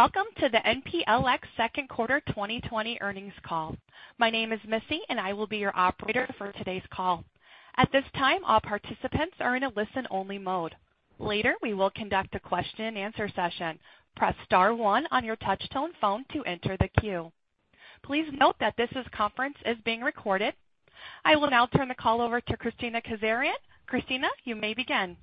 Welcome to The MPLX Second Quarter 2020 Earnings Call. My name is Missy. I will be your operator for today's call. At this time, all participants are in a listen-only mode. Later, we will conduct a question and answer session. Press star one on your touch-tone phone to enter the queue. Please note that this conference is being recorded. I will now turn the call over to Kristina Kazarian. Kristina, you may begin.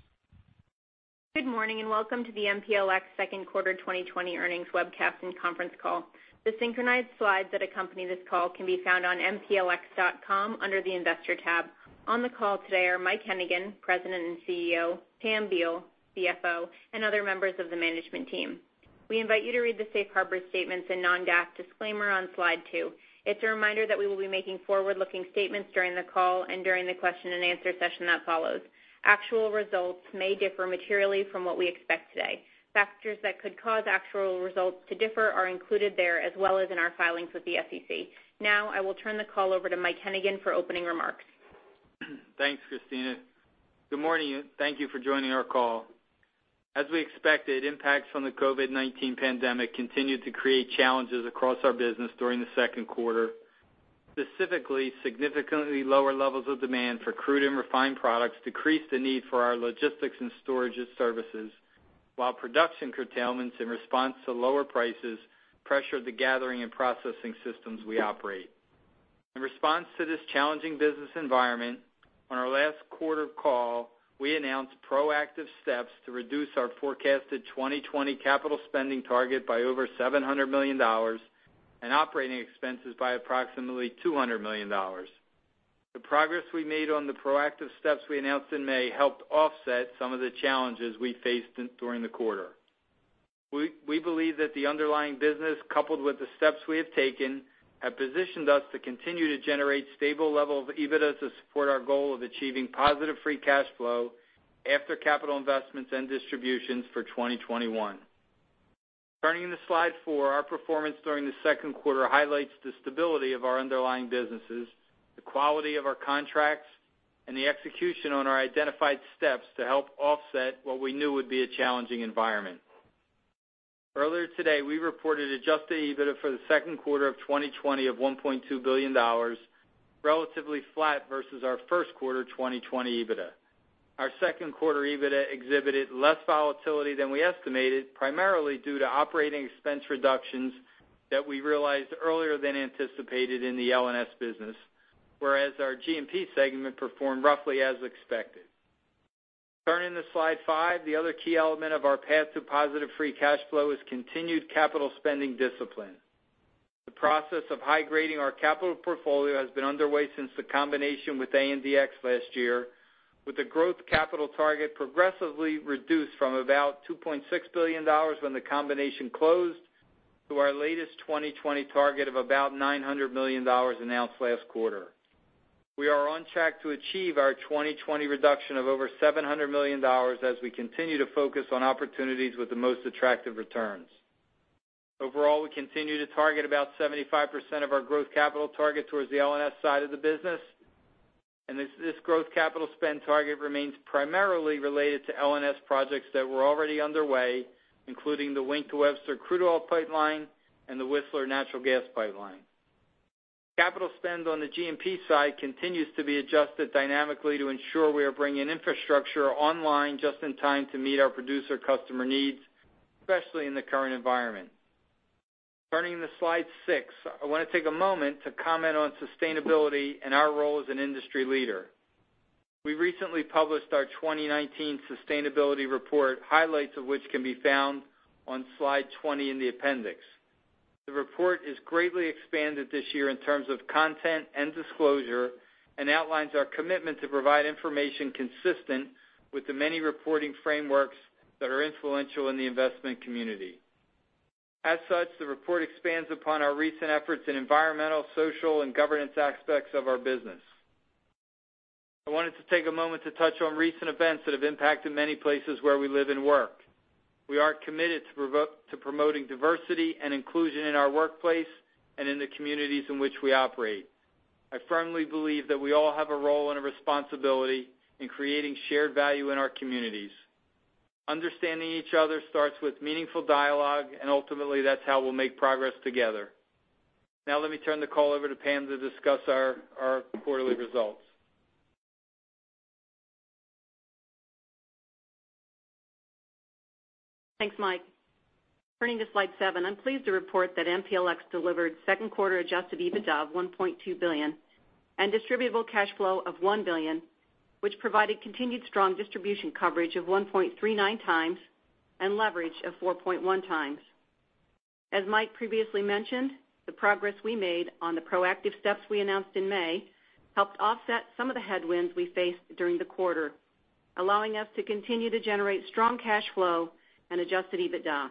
Good morning. Welcome to The MPLX Second Quarter 2020 Earnings Webcast and Conference Call. The synchronized slides that accompany this call can be found on mplx.com under the Investor tab. On the call today are Mike Hennigan, President and CEO, Pam Beall, CFO, and other members of the management team. We invite you to read the safe harbor statements and non-GAAP disclaimer on slide two. It's a reminder that we will be making forward-looking statements during the call and during the question and answer session that follows. Actual results may differ materially from what we expect today. Factors that could cause actual results to differ are included there, as well as in our filings with the SEC. I will turn the call over to Michael Hennigan for opening remarks. Thanks, Kristina. Good morning, and thank you for joining our call. As we expected, impacts from the COVID-19 pandemic continued to create challenges across our business during the second quarter. Specifically, significantly lower levels of demand for crude and refined products decreased the need for our Logistics and Storage services, while production curtailments in response to lower prices pressured the Gathering & Processing systems we operate. In response to this challenging business environment, on our last quarter call, we announced proactive steps to reduce our forecasted 2020 capital spending target by over $700 million and operating expenses by approximately $200 million. The progress we made on the proactive steps we announced in May helped offset some of the challenges we faced during the quarter. We believe that the underlying business, coupled with the steps we have taken, have positioned us to continue to generate stable levels of EBITDA to support our goal of achieving positive free cash flow after capital investments and distributions for 2021. Turning to slide four, our performance during the second quarter highlights the stability of our underlying businesses, the quality of our contracts, and the execution on our identified steps to help offset what we knew would be a challenging environment. Earlier today, we reported adjusted EBITDA for the second quarter of 2020 of $1.2 billion, relatively flat versus our first quarter 2020 EBITDA. Our second quarter EBITDA exhibited less volatility than we estimated, primarily due to operating expense reductions that we realized earlier than anticipated in the L&S business. Whereas our G&P segment performed roughly as expected. Turning to slide five. The other key element of our path to positive free cash flow is continued capital spending discipline. The process of high-grading our capital portfolio has been underway since the combination with ANDX last year, with the growth capital target progressively reduced from about $2.6 billion when the combination closed to our latest 2020 target of about $900 million announced last quarter. We are on track to achieve our 2020 reduction of over $700 million as we continue to focus on opportunities with the most attractive returns. Overall, we continue to target about 75% of our growth capital target towards the L&S side of the business, and this growth capital spend target remains primarily related to L&S projects that were already underway, including the Wink to Webster crude oil pipeline and the Whistler natural gas pipeline. Capital spend on the G&P side continues to be adjusted dynamically to ensure we are bringing infrastructure online just in time to meet our producer customer needs, especially in the current environment. Turning to slide six, I want to take a moment to comment on sustainability and our role as an industry leader. We recently published our 2019 sustainability report, highlights of which can be found on slide 20 in the appendix. The report is greatly expanded this year in terms of content and disclosure and outlines our commitment to provide information consistent with the many reporting frameworks that are influential in the investment community. As such, the report expands upon our recent efforts in environmental, social, and governance aspects of our business. I wanted to take a moment to touch on recent events that have impacted many places where we live and work. We are committed to promoting diversity and inclusion in our workplace and in the communities in which we operate. I firmly believe that we all have a role and a responsibility in creating shared value in our communities. Understanding each other starts with meaningful dialogue, and ultimately, that's how we'll make progress together. Let me turn the call over to Pamela to discuss our quarterly results. Thanks, Michael. Turning to Slide seven. I'm pleased to report that MPLX delivered second quarter adjusted EBITDA of $1.2 billion and distributable cash flow of $1 billion, which provided continued strong distribution coverage of 1.39x and leverage of 4.1x. As Mike previously mentioned, the progress we made on the proactive steps we announced in May helped offset some of the headwinds we faced during the quarter, allowing us to continue to generate strong cash flow and adjusted EBITDA.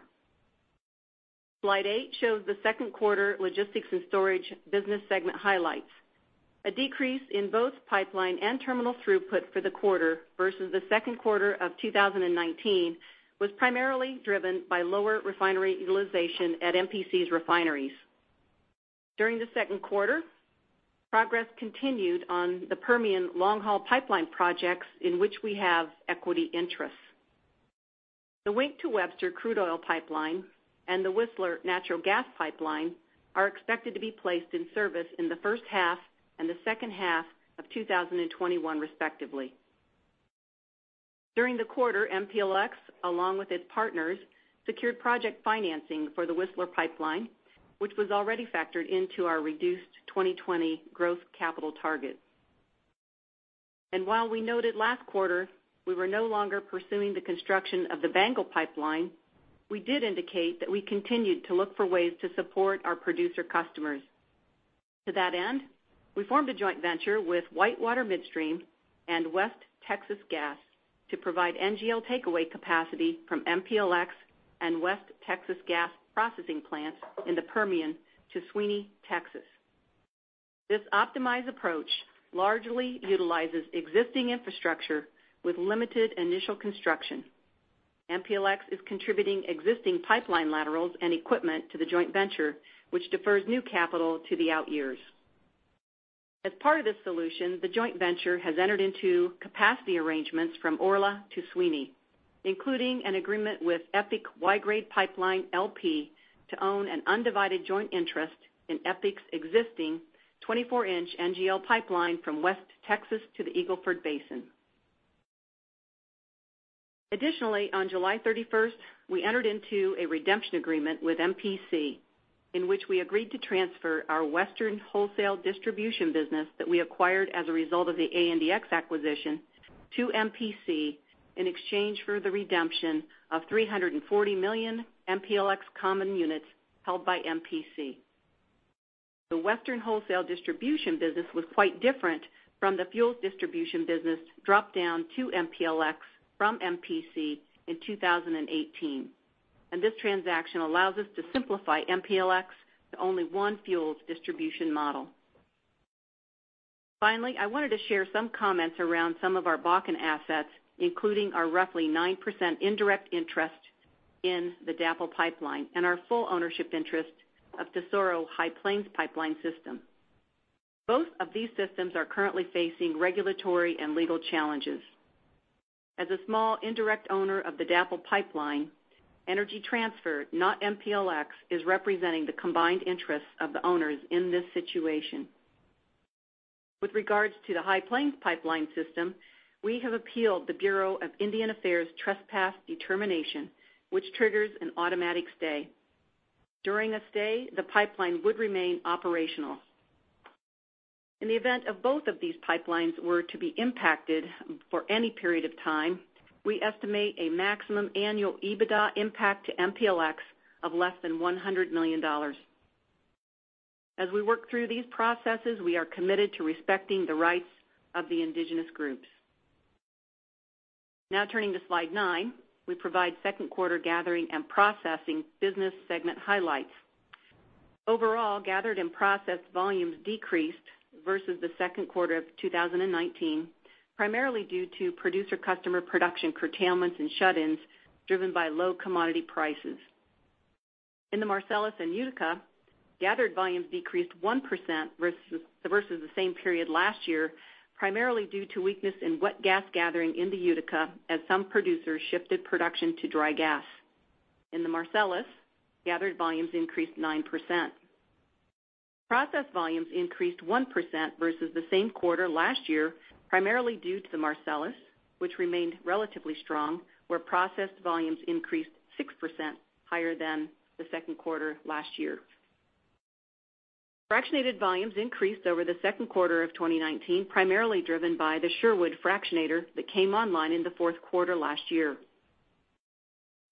Slide eight shows the second quarter Logistics and Storage business segment highlights. A decrease in both pipeline and terminal throughput for the quarter versus the second quarter of 2019 was primarily driven by lower refinery utilization at MPC's refineries. During the second quarter, progress continued on the Permian long-haul pipeline projects in which we have equity interests. The Wink to Webster crude oil pipeline and the Whistler natural gas pipeline are expected to be placed in service in the first half and the second half of 2021, respectively. During the quarter, MPLX, along with its partners, secured project financing for the Whistler pipeline, which was already factored into our reduced 2020 growth capital targets. While we noted last quarter we were no longer pursuing the construction of the Bengal pipeline, we did indicate that we continued to look for ways to support our producer customers. To that end, we formed a joint venture with WhiteWater Midstream and West Texas Gas to provide NGL takeaway capacity from MPLX and West Texas Gas processing plants in the Permian to Sweeny, Texas. This optimized approach largely utilizes existing infrastructure with limited initial construction. MPLX is contributing existing pipeline laterals and equipment to the joint venture, which defers new capital to the out years. As part of this solution, the joint venture has entered into capacity arrangements from Orla to Sweeny, including an agreement with EPIC Y-Grade, LP to own an undivided joint interest in EPIC's existing 24-inch NGL pipeline from West Texas to the Eagle Ford Basin. Additionally, on July 31st, we entered into a redemption agreement with MPC, in which we agreed to transfer our Western wholesale distribution business that we acquired as a result of the ANDX acquisition to MPC in exchange for the redemption of $340 million of MPLX common units held by MPC. The Western wholesale distribution business was quite different from the fuels distribution business dropped down to MPLX from MPC in 2018, and this transaction allows us to simplify MPLX to only one fuels distribution model. I wanted to share some comments around some of our Bakken assets, including our roughly 9% indirect interest in the DAPL pipeline and our full ownership interest of Tesoro High Plains Pipeline system. Both of these systems are currently facing regulatory and legal challenges. As a small indirect owner of the DAPL pipeline, Energy Transfer, not MPLX, is representing the combined interests of the owners in this situation. With regards to the High Plains Pipeline system, we have appealed the Bureau of Indian Affairs trespass determination, which triggers an automatic stay. During a stay, the pipeline would remain operational. In the event of both of these pipelines were to be impacted for any period of time, we estimate a maximum annual EBITDA impact to MPLX of less than $100 million. As we work through these processes, we are committed to respecting the rights of the indigenous groups. Now turning to slide nine, we provide second quarter Gathering & Processing business segment highlights. Overall, gathered and processed volumes decreased versus the second quarter of 2019, primarily due to producer customer production curtailments and shut-ins driven by low commodity prices. In the Marcellus and Utica, gathered volumes decreased 1% versus the same period last year, primarily due to weakness in wet gas gathering in the Utica as some producers shifted production to dry gas. In the Marcellus, gathered volumes increased 9%. Processed volumes increased 1% versus the same quarter last year, primarily due to the Marcellus, which remained relatively strong, where processed volumes increased 6% higher than the second quarter last year. Fractionated volumes increased over the second quarter of 2019, primarily driven by the Sherwood Fractionator that came online in the fourth quarter last year.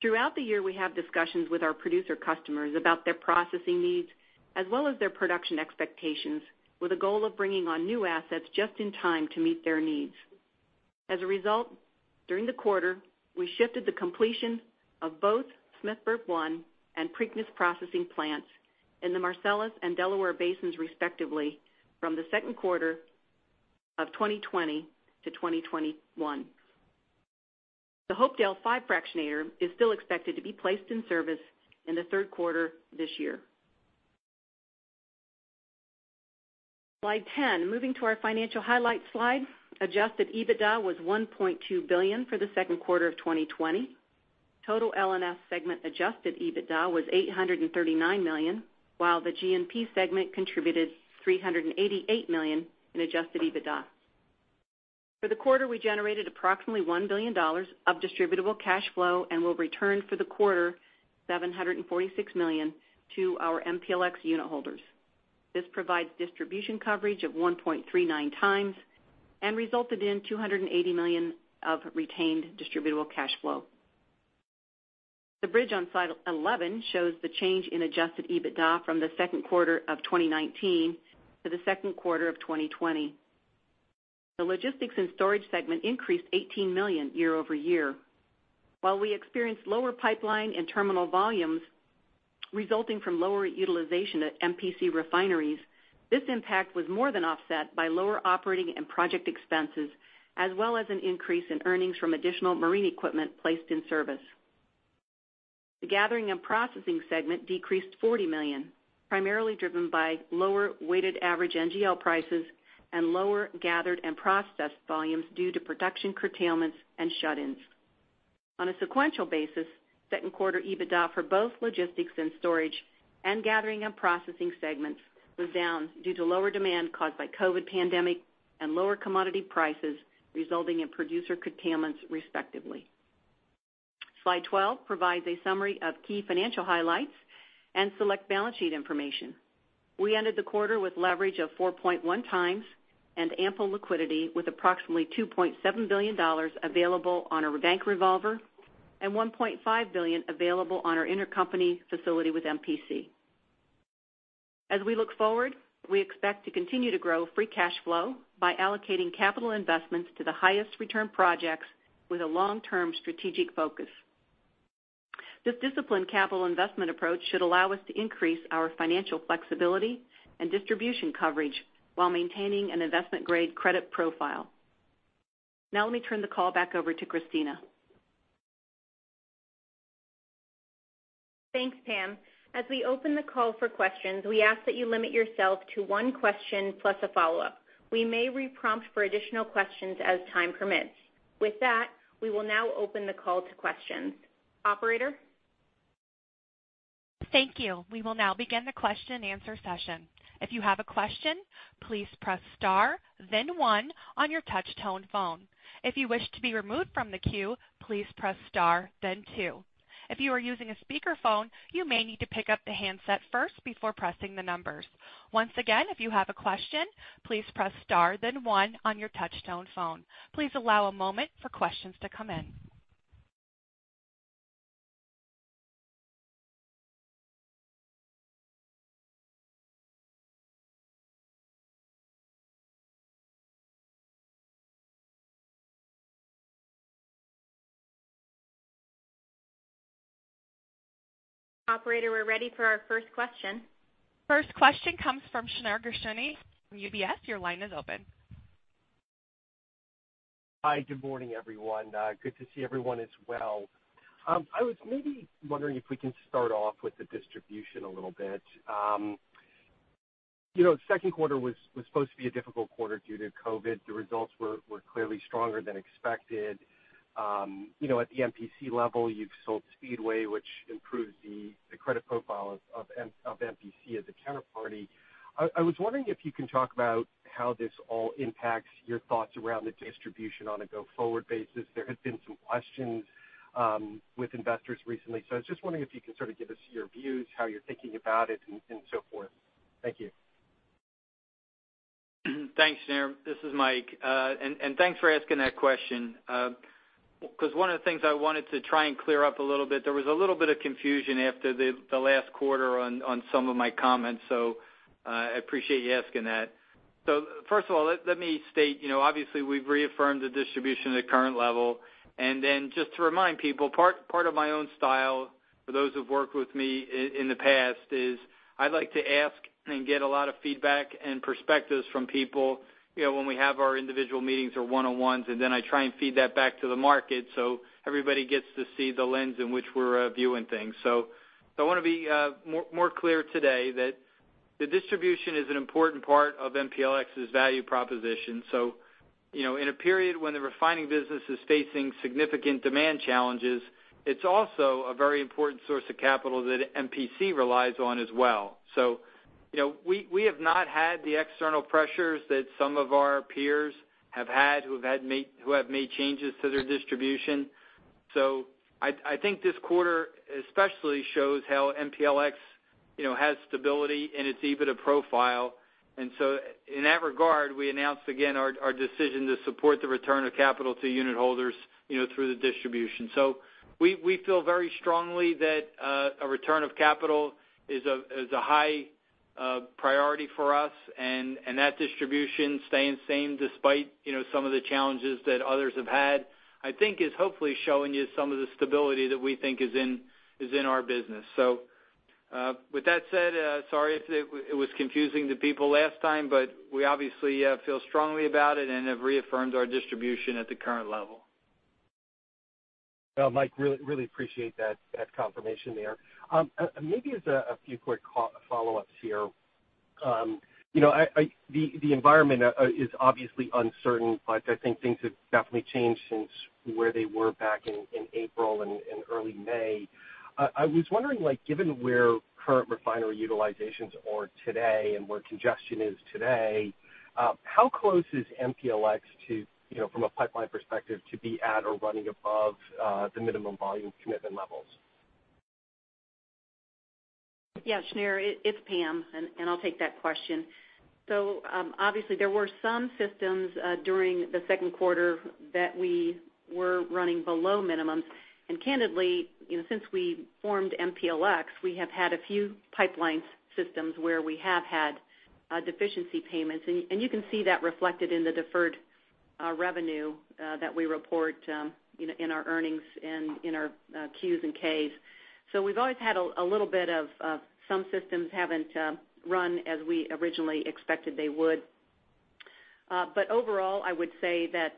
Throughout the year, we have discussions with our producer customers about their processing needs as well as their production expectations, with a goal of bringing on new assets just in time to meet their needs. As a result, during the quarter, we shifted the completion of both Smithburg 1 and Preakness Processing plants in the Marcellus and Delaware basins respectively from the second quarter of 2020 to 2021. The Hopedale 5 Fractionator is still expected to be placed in service in the third quarter this year. Slide 10. Moving to our financial highlights slide, adjusted EBITDA was $1.2 billion for the second quarter of 2020. Total L&S segment adjusted EBITDA was $839 million, while the G&P segment contributed $388 million in adjusted EBITDA. For the quarter, we generated approximately $1 billion of distributable cash flow and will return for the quarter $746 million to our MPLX unit holders. This provides distribution coverage of 1.39x and resulted in $280 million of retained distributable cash flow. The bridge on slide 11 shows the change in adjusted EBITDA from the second quarter of 2019 to the second quarter of 2020. The Logistics and Storage segment increased $18 million year-over-year. While we experienced lower pipeline and terminal volumes resulting from lower utilization at MPC refineries, this impact was more than offset by lower operating and project expenses, as well as an increase in earnings from additional marine equipment placed in service. The Gathering and Processing segment decreased $40 million, primarily driven by lower weighted average NGL prices and lower gathered and processed volumes due to production curtailments and shut-ins. On a sequential basis, second quarter EBITDA for both Logistics and Storage and Gathering & Processing segments was down due to lower demand caused by COVID-19 pandemic and lower commodity prices, resulting in producer curtailments, respectively. Slide 12 provides a summary of key financial highlights and select balance sheet information. We ended the quarter with leverage of 4.1x and ample liquidity with approximately $2.7 billion available on our bank revolver and $1.5 billion available on our intercompany facility with MPC. As we look forward, we expect to continue to grow free cash flow by allocating capital investments to the highest return projects with a long-term strategic focus. This disciplined capital investment approach should allow us to increase our financial flexibility and distribution coverage while maintaining an investment-grade credit profile. Let me turn the call back over to Kristina. Thanks, Pamela. As we open the call for questions, we ask that you limit yourself to one question plus a follow-up. We may re-prompt for additional questions as time permits. With that, we will now open the call to questions. Operator? Thank you. We will now begin the question and answer session. If you have a question, please press star then one on your touch-tone phone. If you wish to be removed from the queue, please press star then two. If you are using a speakerphone, you may need to pick up the handset first before pressing the numbers. Once again, if you have a question, please press star then one on your touch-tone phone. Please allow a moment for questions to come in. Operator, we're ready for our first question. First question comes from Shneur Gershuni from UBS. Your line is open. Hi. Good morning, everyone. Good to see everyone as well. I was maybe wondering if we can start off with the distribution a little bit. Second quarter was supposed to be a difficult quarter due to COVID. The results were clearly stronger than expected. At the MPC level, you've sold Speedway, which improves the credit profile of MPC as a counterparty. I was wondering if you can talk about how this all impacts your thoughts around the distribution on a go-forward basis. There have been some questions with investors recently, I was just wondering if you could sort of give us your views, how you're thinking about it, and so forth. Thank you. Thanks, Shneur. This is Michael. Thanks for asking that question, because one of the things I wanted to try and clear up a little bit, there was a little bit of confusion after the last quarter on some of my comments, so I appreciate you asking that. First of all, let me state, obviously, we've reaffirmed the distribution at current level. Then just to remind people, part of my own style for those who've worked with me in the past is I like to ask and get a lot of feedback and perspectives from people when we have our individual meetings or one-on-ones, and then I try and feed that back to the market so everybody gets to see the lens in which we're viewing things. I want to be more clear today that the distribution is an important part of MPLX's value proposition. In a period when the refining business is facing significant demand challenges, it's also a very important source of capital that MPC relies on as well. We have not had the external pressures that some of our peers have had who have made changes to their distribution. I think this quarter especially shows how MPLX has stability in its EBITDA profile. In that regard, we announced again our decision to support the return of capital to unit holders through the distribution. We feel very strongly that a return of capital is a high priority for us, and that distribution staying the same despite some of the challenges that others have had, I think is hopefully showing you some of the stability that we think is in our business. With that said, sorry if it was confusing to people last time. We obviously feel strongly about it and have reaffirmed our distribution at the current level. Michael, really appreciate that confirmation there. Maybe just a few quick follow-ups here. The environment is obviously uncertain, but I think things have definitely changed since where they were back in April and in early May. I was wondering, given where current refinery utilizations are today and where congestion is today, how close is MPLX to, from a pipeline perspective, to be at or running above the minimum volume commitment levels? Yeah, Shneur. It's Pamela. I'll take that question. Obviously there were some systems during the second quarter that we were running below minimum. Candidly, since we formed MPLX, we have had a few pipeline systems where we have had deficiency payments. You can see that reflected in the deferred revenue that we report in our earnings and in our Qs and Ks. We've always had a little bit of some systems haven't run as we originally expected they would. Overall, I would say that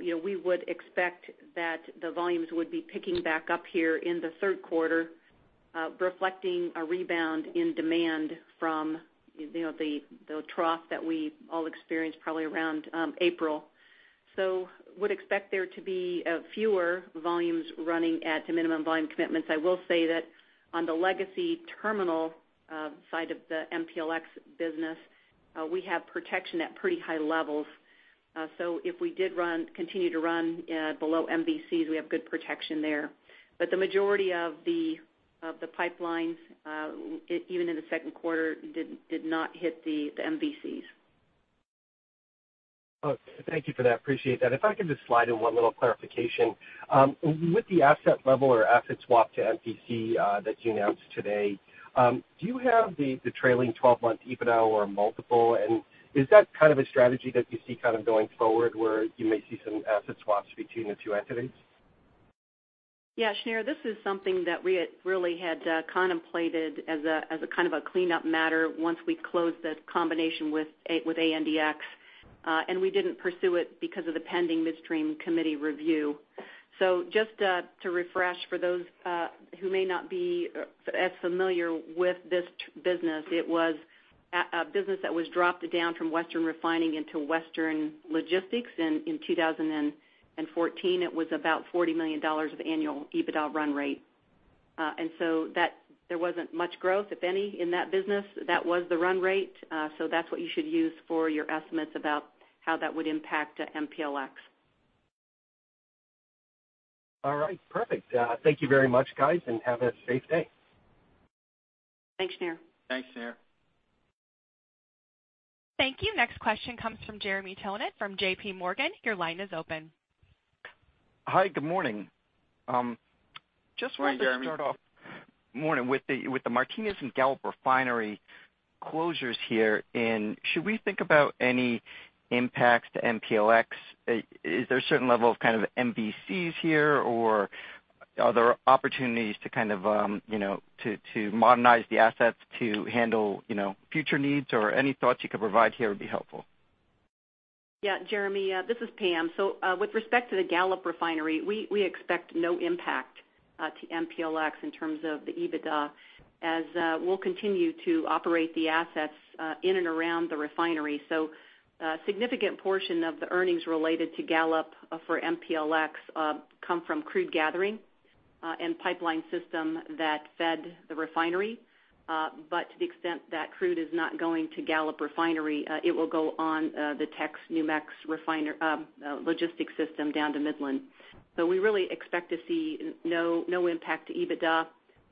we would expect that the volumes would be picking back up here in the third quarter, reflecting a rebound in demand from the trough that we all experienced probably around April. Would expect there to be fewer volumes running at the minimum volume commitments. I will say that on the legacy terminal side of the MPLX business, we have protection at pretty high levels. If we did continue to run below MVCs, we have good protection there. The majority of the pipelines, even in the second quarter, did not hit the MVCs. Okay. Thank you for that. Appreciate that. If I can just slide in one little clarification. With the asset level or asset swap to MPC that you announced today, do you have the trailing 12-month EBITDA or multiple? Is that kind of a strategy that you see kind of going forward, where you may see some asset swaps between the two entities? Shneur, this is something that we really had contemplated as a kind of a cleanup matter once we closed the combination with ANDX. We didn't pursue it because of the pending Midstream committee review. Just to refresh for those who may not be as familiar with this business, it was a business that was dropped down from Western Refining into Western Logistics in 2014. It was about $40 million of annual EBITDA run rate. There wasn't much growth, if any, in that business. That was the run rate. That's what you should use for your estimates about how that would impact MPLX. All right, perfect. Thank you very much, guys, and have a safe day. Thanks, Shneur. Thanks, Shneur. Thank you. Next question comes from Jeremy Tonet from JPMorgan. Your line is open. Hi, good morning. Hi, Jeremy. Just wanted to start off morning with the Martinez and Gallup refinery closures here. Should we think about any impacts to MPLX? Is there a certain level of MVCs here, or are there opportunities to kind of modernize the assets to handle future needs? Any thoughts you could provide here would be helpful. Jeremy, this is Pamela. With respect to the Gallup refinery, we expect no impact to MPLX in terms of the EBITDA, as we'll continue to operate the assets in and around the refinery. A significant portion of the earnings related to Gallup for MPLX come from crude gathering and pipeline system that fed the refinery. To the extent that crude is not going to Gallup refinery, it will go on the TexNewMex logistics system down to Midland. We really expect to see no impact to EBITDA,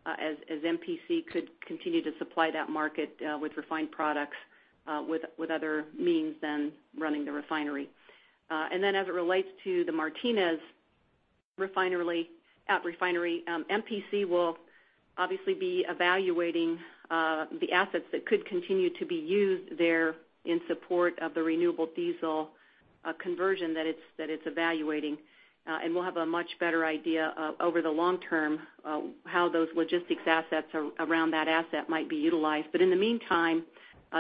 as MPC could continue to supply that market with refined products with other means than running the refinery. As it relates to the Martinez refinery, MPC will obviously be evaluating the assets that could continue to be used there in support of the renewable diesel conversion that it's evaluating. We'll have a much better idea over the long term how those logistics assets around that asset might be utilized. In the meantime,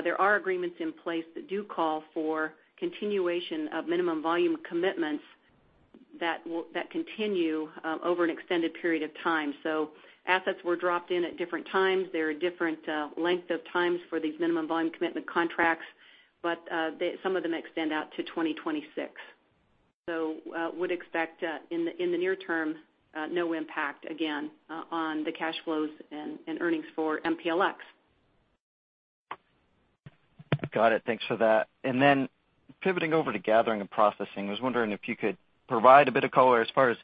there are agreements in place that do call for continuation of minimum volume commitments that continue over an extended period of time. Assets were dropped in at different times. There are different length of times for these minimum volume commitment contracts, but some of them extend out to 2026. Would expect in the near term, no impact again on the cash flows and earnings for MPLX. Got it. Thanks for that. Pivoting over to Gathering & Processing, I was wondering if you could provide a bit of color as far as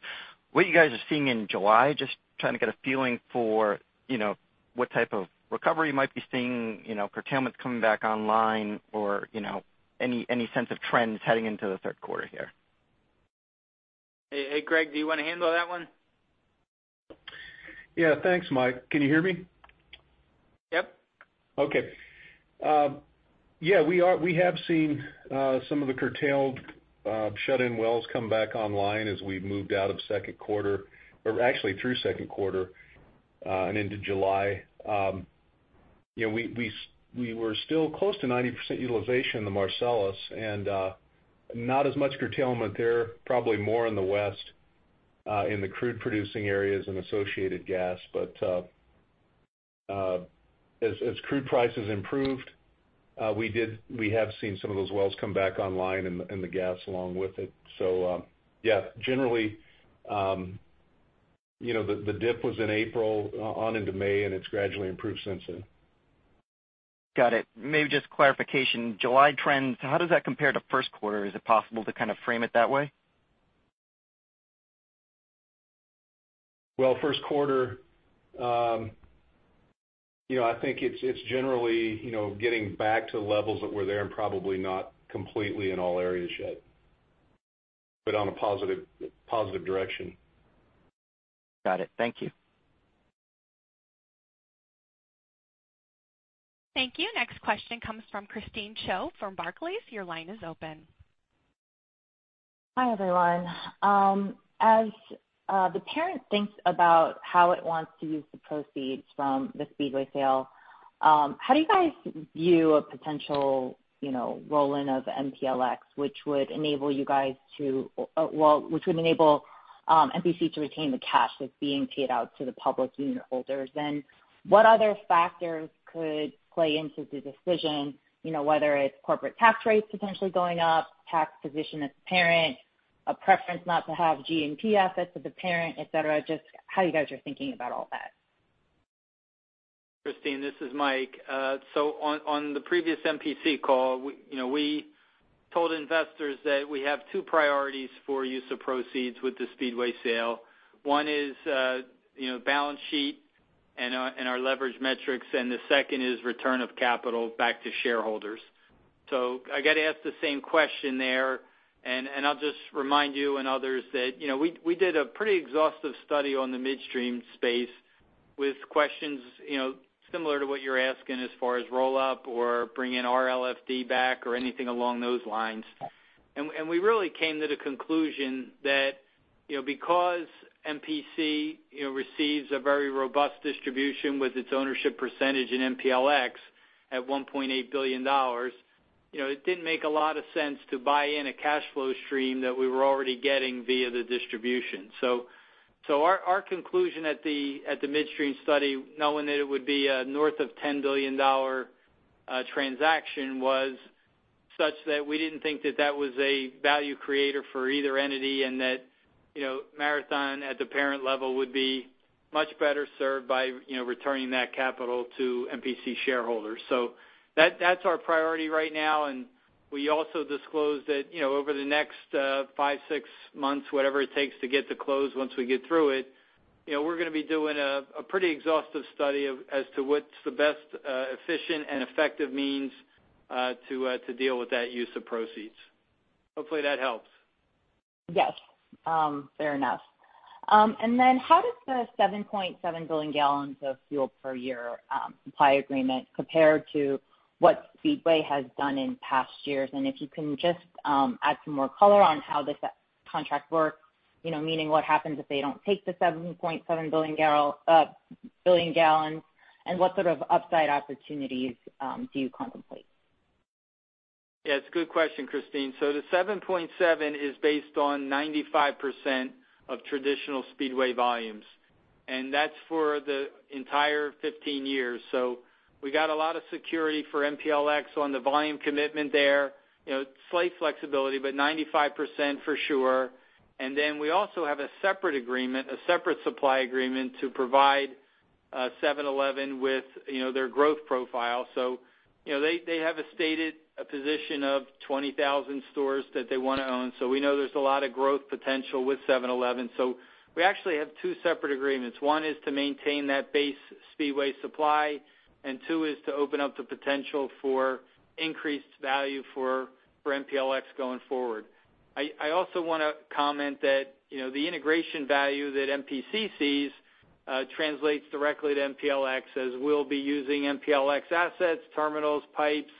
what you guys are seeing in July. Just trying to get a feeling for what type of recovery you might be seeing, curtailments coming back online, or any sense of trends heading into the third quarter here. Hey, Craig, do you want to handle that one? Yeah. Thanks, Michael. Can you hear me? Yep. Okay. Yeah, we have seen some of the curtailed shut-in wells come back online as we've moved out of second quarter, or actually through second quarter and into July. We were still close to 90% utilization in the Marcellus, and not as much curtailment there, probably more in the West in the crude-producing areas and associated gas. As crude prices improved, we have seen some of those wells come back online, and the gas along with it. Yeah, generally, the dip was in April on into May, and it's gradually improved since then. Got it. Maybe just clarification. July trends, how does that compare to first quarter? Is it possible to kind of frame it that way? Well, first quarter, I think it's generally getting back to levels that were there and probably not completely in all areas yet. On a positive direction. Got it. Thank you. Thank you. Next question comes from Christine Cho from Barclays. Your line is open. Hi, everyone. As the parent thinks about how it wants to use the proceeds from the Speedway sale, how do you guys view a potential roll-in of MPLX, which would enable MPC to retain the cash that's being paid out to the public unit holders? What other factors could play into the decision, whether it's corporate tax rates potentially going up, tax position as a parent, a preference not to have G&P assets as a parent, et cetera? Just how you guys are thinking about all that. Christine, this is Michael. On the previous MPC call, we told investors that we have two priorities for use of proceeds with the Speedway sale. One is balance sheet and our leverage metrics, and the second is return of capital back to shareholders. I get asked the same question there, and I'll just remind you and others that we did a pretty exhaustive study on the midstream space with questions similar to what you're asking as far as roll-up or bring in our LFD back or anything along those lines. We really came to the conclusion that because MPC receives a very robust distribution with its ownership percentage in MPLX at $1.8 billion, it didn't make a lot of sense to buy in a cash flow stream that we were already getting via the distribution. Our conclusion at the midstream study, knowing that it would be a north of $10 billion transaction, was such that we didn't think that that was a value creator for either entity, and that Marathon at the parent level would be much better served by returning that capital to MPC shareholders. That's our priority right now, and we also disclosed that over the next five to six months, whatever it takes to get to close once we get through it, we're going to be doing a pretty exhaustive study as to what's the best efficient and effective means to deal with that use of proceeds. Hopefully that helps. Yes. Fair enough. How does the 7.7 billion gallons of fuel per year supply agreement compare to what Speedway has done in past years? If you can just add some more color on how this contract works, meaning what happens if they don't take the 7.7 billion gallons, and what sort of upside opportunities do you contemplate? It's a good question, Christine. The 7.7 billion gallons is based on 95% of traditional Speedway volumes, and that's for the entire 15 years. We got a lot of security for MPLX on the volume commitment there. Slight flexibility, 95% for sure. We also have a separate supply agreement to provide 7-Eleven with their growth profile. They have a stated position of 20,000 stores that they want to own, so we know there's a lot of growth potential with 7-Eleven. We actually have two separate agreements. One is to maintain that base Speedway supply, and two is to open up the potential for increased value for MPLX going forward. I also want to comment that the integration value that MPC sees translates directly to MPLX, as we'll be using MPLX assets, terminals, pipes,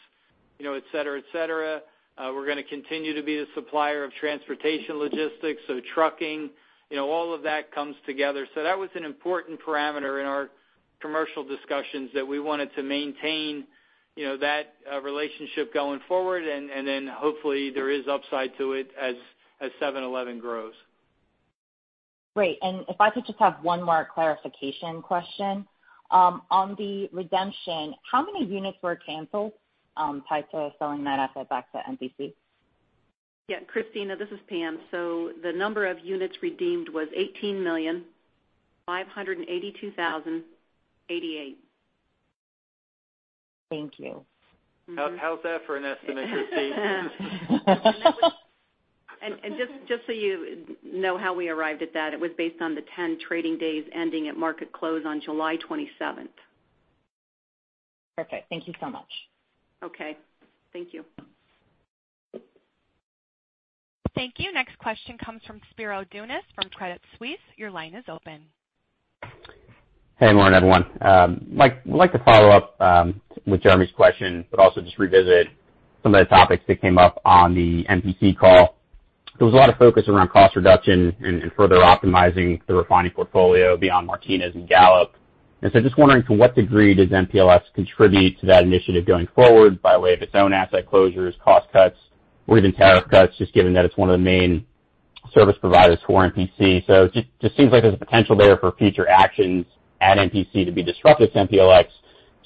et cetera. We're going to continue to be the supplier of transportation logistics, so trucking, all of that comes together. That was an important parameter in our commercial discussions that we wanted to maintain that relationship going forward, and then hopefully there is upside to it as 7-Eleven grows. Great. If I could just have one more clarification question. On the redemption, how many units were canceled tied to selling that asset back to MPC? Yeah, Christine, this is Pamela. The number of units redeemed was 18,582,088. Thank you. How's that for an estimate, Christine? Just so you know how we arrived at that, it was based on the 10 trading days ending at market close on July 27th. Perfect. Thank you so much. Okay. Thank you. Thank you. Next question comes from Spiro Dounis from Credit Suisse. Your line is open. Hey, good morning, everyone. Mike, would like to follow up with Jeremy's question, but also just revisit some of the topics that came up on the MPC call. There was a lot of focus around cost reduction and further optimizing the refining portfolio beyond Martinez and Gallup. Just wondering to what degree does MPLX contribute to that initiative going forward by way of its own asset closures, cost cuts, or even tariff cuts, just given that it's one of the main service providers for MPC. Just seems like there's a potential there for future actions at MPC to be disruptive to MPLX.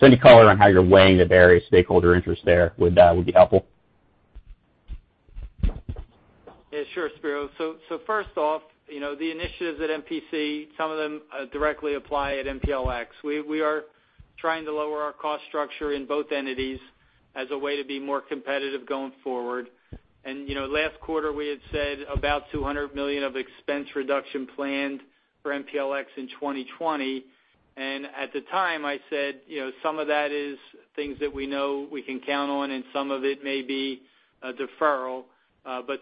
Any color on how you're weighing the various stakeholder interests there would be helpful. Yeah, sure, Spiro. First off, the initiatives at MPC, some of them directly apply at MPLX. We are trying to lower our cost structure in both entities as a way to be more competitive going forward. Last quarter, we had said about $200 million of expense reduction planned for MPLX in 2020. At the time, I said some of that is things that we know we can count on, and some of it may be a deferral.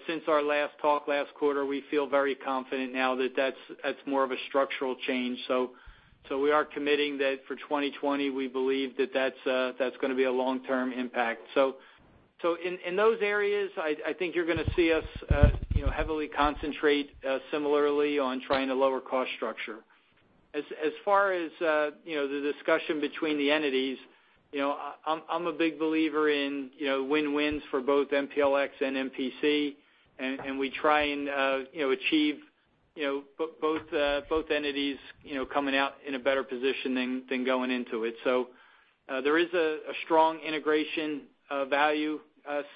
Since our last talk last quarter, we feel very confident now that that's more of a structural change. We are committing that for 2020, we believe that that's going to be a long-term impact. In those areas, I think you're going to see us heavily concentrate similarly on trying to lower cost structure. As far as the discussion between the entities, I'm a big believer in win-wins for both MPLX and MPC, and we try and achieve both entities coming out in a better position than going into it. There is a strong integration of value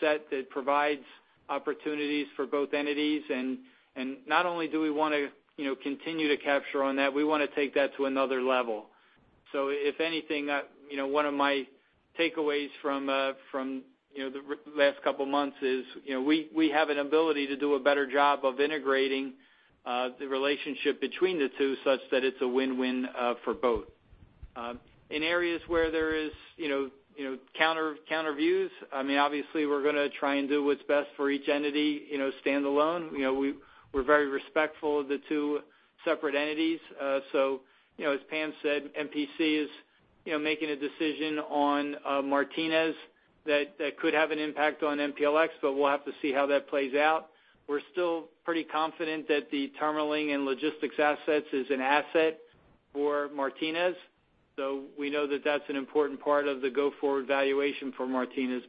set that provides opportunities for both entities. Not only do we want to continue to capture on that, we want to take that to another level. If anything, one of my takeaways from the last couple of months is, we have an ability to do a better job of integrating the relationship between the two such that it's a win-win for both. In areas where there is counter views, obviously we're going to try and do what's best for each entity, standalone. We're very respectful of the two separate entities. As Pam said, MPC is making a decision on Martinez that could have an impact on MPLX, but we'll have to see how that plays out. We're still pretty confident that the terminalling and logistics assets is an asset for Martinez. We know that that's an important part of the go-forward valuation for Martinez.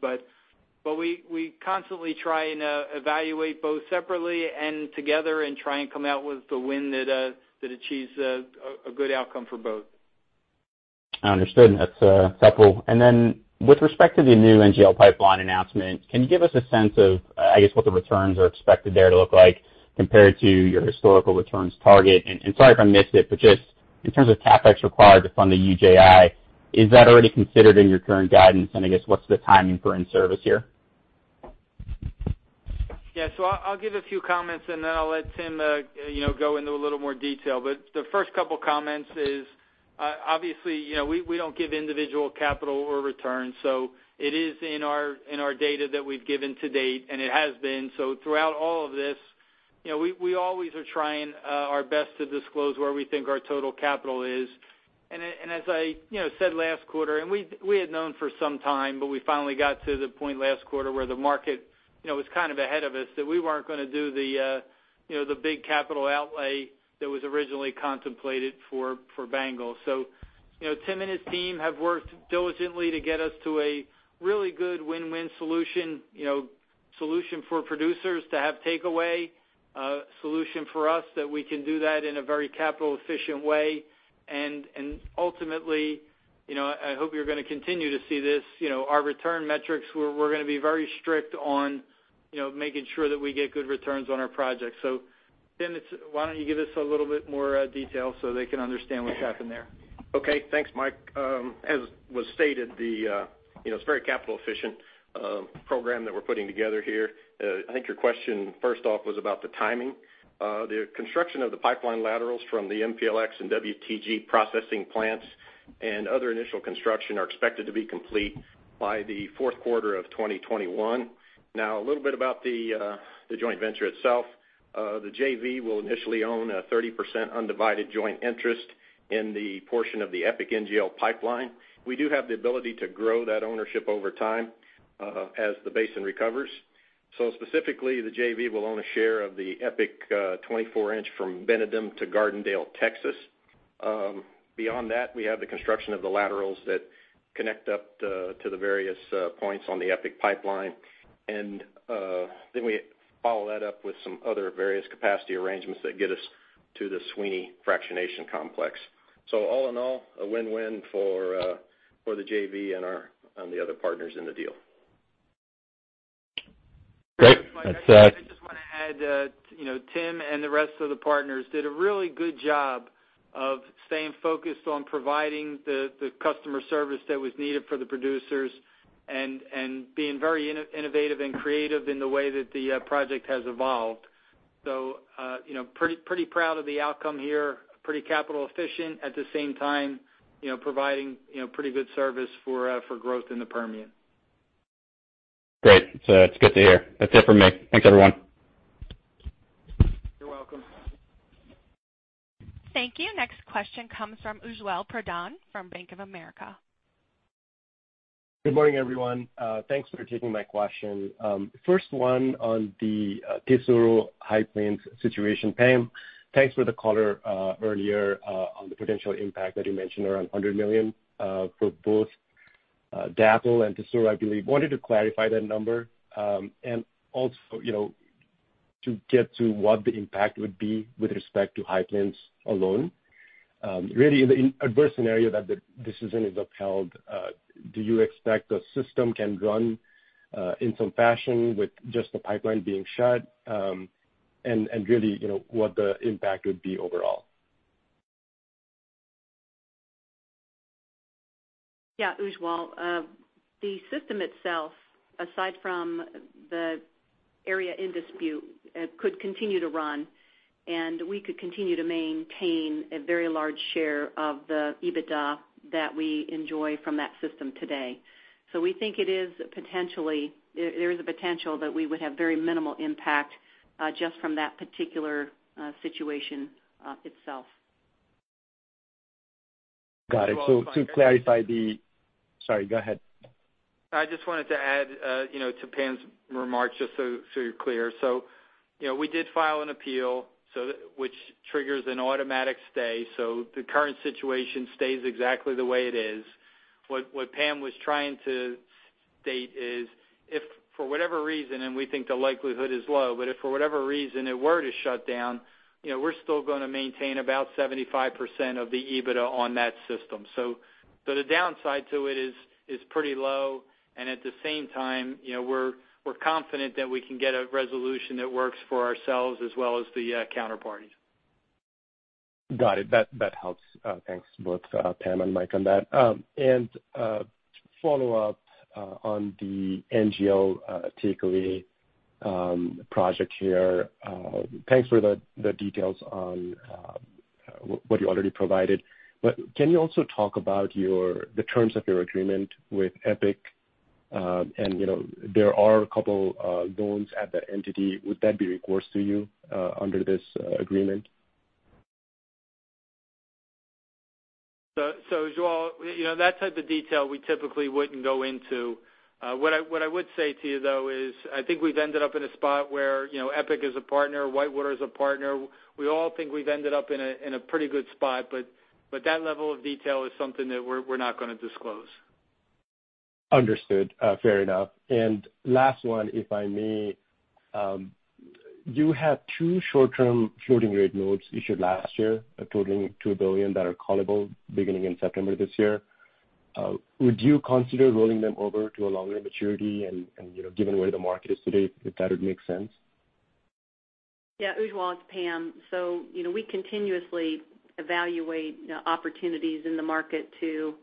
We constantly try and evaluate both separately and together and try and come out with the win that achieves a good outcome for both. Understood. That's helpful. With respect to the new NGL pipeline announcement, can you give us a sense of, I guess, what the returns are expected there to look like compared to your historical returns target? Sorry if I missed it, but just in terms of CapEx required to fund the Uinta, is that already considered in your current guidance? I guess what's the timing for in-service here? Yeah. I'll give a few comments, and then I'll let Timothy go into a little more detail. The first couple comments is, obviously we don't give individual capital or returns. It is in our data that we've given to date, and it has been. Throughout all of this, we always are trying our best to disclose where we think our total capital is. As I said last quarter, and we had known for some time, but we finally got to the point last quarter where the market was kind of ahead of us, that we weren't going to do the big capital outlay that was originally contemplated for Bengal. Tim and his team have worked diligently to get us to a really good win-win solution. Solution for producers to have takeaway, solution for us that we can do that in a very capital efficient way. Ultimately, I hope you're going to continue to see this. Our return metrics, we're going to be very strict on making sure that we get good returns on our projects. Timothy, why don't you give us a little bit more detail so they can understand what's happened there? Okay. Thanks, Michael. As was stated, it's very capital efficient program that we're putting together here. I think your question first off was about the timing. The construction of the pipeline laterals from the MPLX and WTG processing plants and other initial construction are expected to be complete by the fourth quarter of 2021. A little bit about the joint venture itself. The JV will initially own a 30% undivided joint interest in the portion of the EPIC NGL pipeline. We do have the ability to grow that ownership over time as the basin recovers. Specifically, the JV will own a share of the EPIC 24 inch from Benedum to Gardendale, Texas. Beyond that, we have the construction of the laterals that connect up to the various points on the EPIC pipeline. We follow that up with some other various capacity arrangements that get us to the Sweeny fractionation complex. All in all, a win-win for the JV and the other partners in the deal. Great. Mike, I just want to add, Tim and the rest of the partners did a really good job of staying focused on providing the customer service that was needed for the producers and being very innovative and creative in the way that the project has evolved. Pretty proud of the outcome here. Pretty capital efficient. At the same time, providing pretty good service for growth in the Permian. Great. That's good to hear. That's it for me. Thanks, everyone. You're welcome. Thank you. Next question comes from Ujwal Pradhan from Bank of America. Good morning, everyone. Thanks for taking my question. First one on the Tesoro High Plains situation. Pam, thanks for the color earlier on the potential impact that you mentioned around $100 million for both DAPL and Tesoro, I believe. Wanted to clarify that number. And also to get to what the impact would be with respect to High Plains alone. Really in the adverse scenario that the decision is upheld, do you expect the system can run in some fashion with just the pipeline being shut? And really, what the impact would be overall? Yeah, Ujwal. The system itself, aside from the area in dispute, could continue to run, and we could continue to maintain a very large share of the EBITDA that we enjoy from that system today. We think there is a potential that we would have very minimal impact, just from that particular situation itself. Got it. To clarify sorry, go ahead. I just wanted to add to Pamela's remarks, just so you're clear. We did file an appeal, which triggers an automatic stay, so the current situation stays exactly the way it is. What Pamela was trying to state is if for whatever reason, and we think the likelihood is low, but if for whatever reason it were to shut down, we're still going to maintain about 75% of the EBITDA on that system. The downside to it is pretty low, and at the same time, we're confident that we can get a resolution that works for ourselves as well as the counterparties. Got it. That helps. Thanks both Pamela and Michael on that. Follow-up on the NGL take-away project here. Thanks for the details on what you already provided. Can you also talk about the terms of your agreement with EPIC? There are a couple loans at that entity. Would that be recourse to you under this agreement? Ujwal, that type of detail we typically wouldn't go into. What I would say to you, though, is I think we've ended up in a spot where EPIC is a partner, WhiteWater is a partner. We all think we've ended up in a pretty good spot, but that level of detail is something that we're not going to disclose. Understood. Fair enough. Last one, if I may. You have two short-term floating rate notes issued last year totaling $2 billion that are callable beginning in September this year. Would you consider rolling them over to a longer maturity and given where the market is today, if that would make sense? Yeah, Ujwal, it's Pamela. We continuously evaluate opportunities in the market to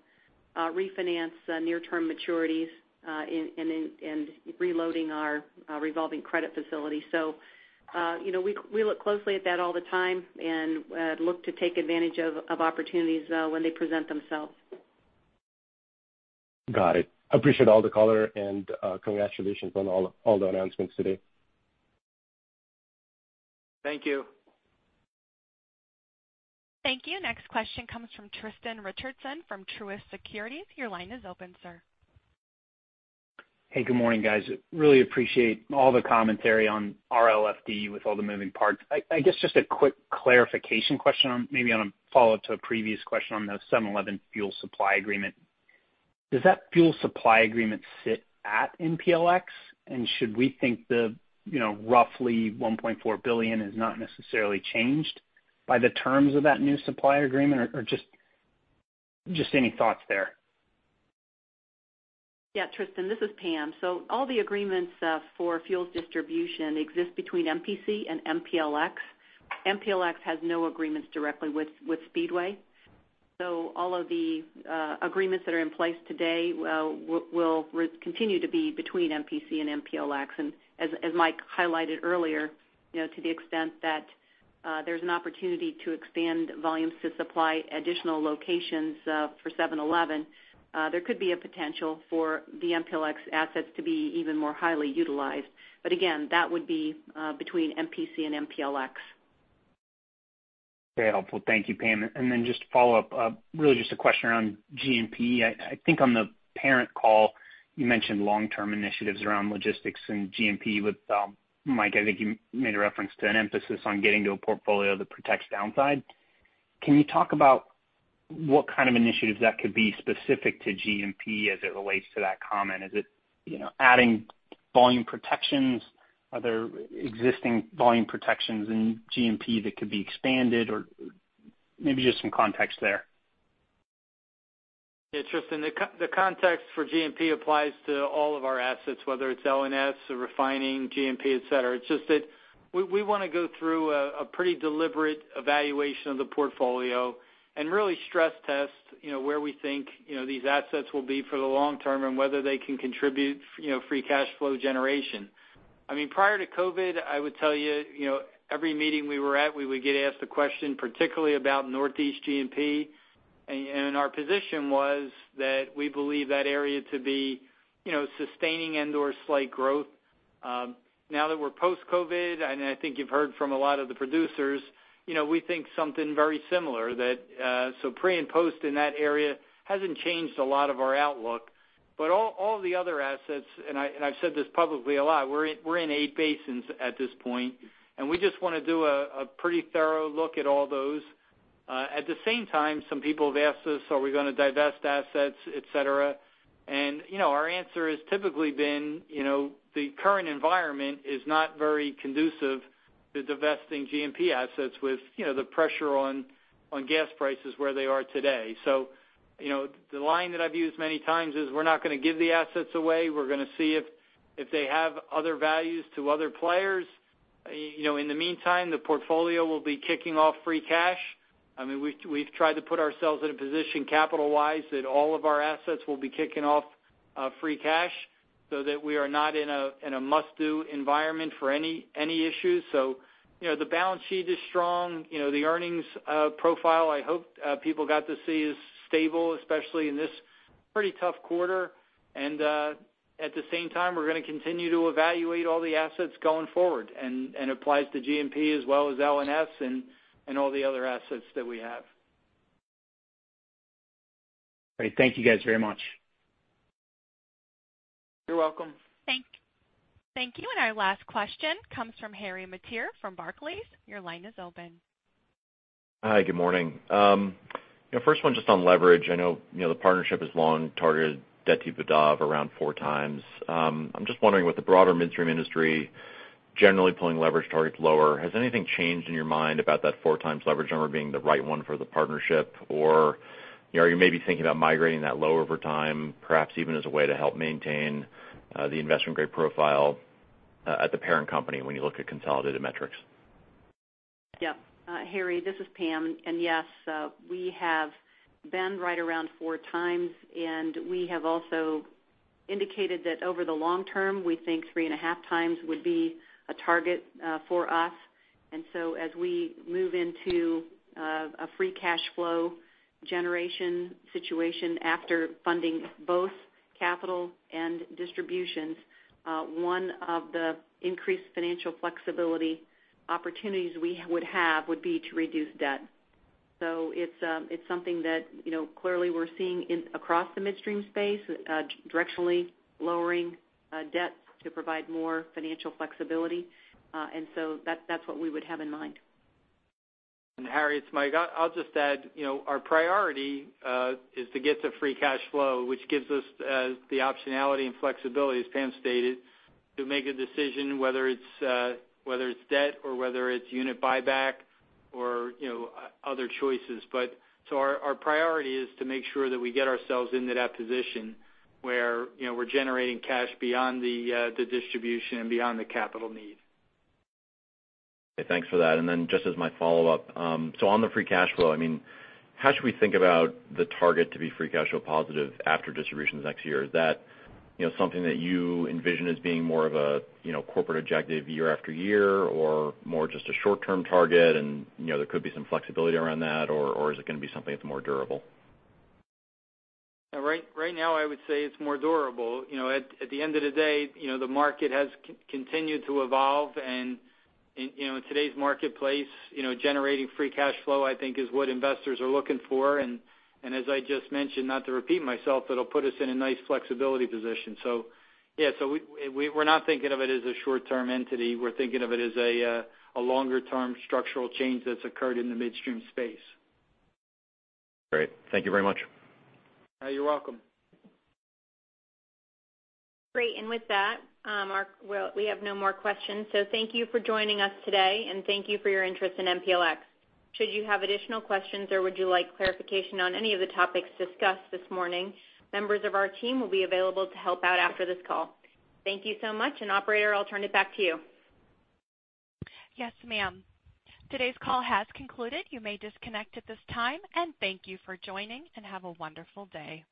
refinance near-term maturities and reloading our revolving credit facility. We look closely at that all the time and look to take advantage of opportunities when they present themselves. Got it. Appreciate all the color and congratulations on all the announcements today. Thank you. Thank you. Next question comes from Tristan Richardson from Truist Securities. Your line is open, sir. Hey, good morning, guys. Really appreciate all the commentary on RLFD with all the moving parts. I guess just a quick clarification question, maybe on a follow-up to a previous question on the 7-Eleven fuel supply agreement. Does that fuel supply agreement sit at MPLX? Should we think the roughly $1.4 billion is not necessarily changed by the terms of that new supply agreement? Just any thoughts there. Yeah, Tristan, this is Pam. All the agreements for fuels distribution exist between MPC and MPLX. MPLX has no agreements directly with Speedway. All of the agreements that are in place today will continue to be between MPC and MPLX. As Mike highlighted earlier, to the extent that there's an opportunity to expand volumes to supply additional locations for 7-Eleven, there could be a potential for the MPLX assets to be even more highly utilized. Again, that would be between MPC and MPLX. Very helpful. Thank you, Pamela. Then just to follow up, really just a question around G&P. I think on the parent call, you mentioned long-term initiatives around Logistics and G&P with Michael, I think you made a reference to an emphasis on getting to a portfolio that protects downside. Can you talk about what kind of initiatives that could be specific to G&P as it relates to that comment? Is it adding volume protections? Are there existing volume protections in G&P that could be expanded? Maybe just some context there. Tristan, the context for G&P applies to all of our assets, whether it's L&S or refining, G&P, et cetera. It's just that we want to go through a pretty deliberate evaluation of the portfolio and really stress test where we think these assets will be for the long term and whether they can contribute free cash flow generation. Prior to COVID, I would tell you, every meeting we were at, we would get asked a question, particularly about Northeast G&P. Our position was that we believe that area to be sustaining and/or slight growth. Now that we're post-COVID, and I think you've heard from a lot of the producers, we think something very similar. Pre and post in that area hasn't changed a lot of our outlook. All the other assets, and I've said this publicly a lot, we're in eight basins at this point, and we just want to do a pretty thorough look at all those. At the same time, some people have asked us, are we going to divest assets, et cetera? Our answer has typically been, the current environment is not very conducive to divesting G&P assets with the pressure on gas prices where they are today. The line that I've used many times is we're not going to give the assets away. We're going to see if they have other values to other players. In the meantime, the portfolio will be kicking off free cash. We've tried to put ourselves in a position capital-wise that all of our assets will be kicking off free cash so that we are not in a must-do environment for any issues. The balance sheet is strong. The earnings profile, I hope people got to see, is stable, especially in this pretty tough quarter. At the same time, we're going to continue to evaluate all the assets going forward, and it applies to G&P as well as L&S, and all the other assets that we have. Great. Thank you guys very much. You're welcome. Thank you. Our last question comes from Harry Mateer from Barclays. Your line is open. Hi. Good morning. First one just on leverage. I know the partnership has long targeted debt-to-EBITDA of around 4x. I'm just wondering, with the broader midstream industry generally pulling leverage targets lower, has anything changed in your mind about that 4x leverage number being the right one for the partnership? Or are you maybe thinking about migrating that lower over time, perhaps even as a way to help maintain the investment-grade profile at the parent company when you look at consolidated metrics? Harry, this is Pamela. Yes, we have been right around 4x, and we have also indicated that over the long term, we think 3.5x would be a target for us. As we move into a free cash flow generation situation after funding both capital and distributions, one of the increased financial flexibility opportunities we would have would be to reduce debt. It's something that clearly we're seeing across the midstream space, directionally lowering debt to provide more financial flexibility. That's what we would have in mind. Harry, it's Michael. I'll just add, our priority is to get to free cash flow, which gives us the optionality and flexibility, as Pamela stated, to make a decision whether it's debt or whether it's unit buyback or other choices. Our priority is to make sure that we get ourselves into that position where we're generating cash beyond the distribution and beyond the capital need. Okay, thanks for that. Just as my follow-up, on the free cash flow, how should we think about the target to be free cash flow positive after distributions next year? Is that something that you envision as being more of a corporate objective year after year, or more just a short-term target, and there could be some flexibility around that, or is it going to be something that's more durable? Right now, I would say it's more durable. At the end of the day, the market has continued to evolve. In today's marketplace, generating free cash flow, I think, is what investors are looking for. As I just mentioned, not to repeat myself, it'll put us in a nice flexibility position. Yeah. We're not thinking of it as a short-term entity. We're thinking of it as a longer-term structural change that's occurred in the midstream space. Great. Thank you very much. You're welcome. Great. With that, Mark, we have no more questions. Thank you for joining us today, and thank you for your interest in MPLX. Should you have additional questions or would you like clarification on any of the topics discussed this morning, members of our team will be available to help out after this call. Thank you so much, and operator, I'll turn it back to you. Yes, ma'am. Today's call has concluded. You may disconnect at this time, and thank you for joining, and have a wonderful day.